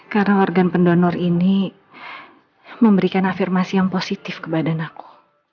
karena organ pendonor ini memberikan afirmasi yang positif ke badan aku